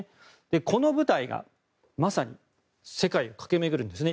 この部隊がまさに世界を駆け巡るんですね。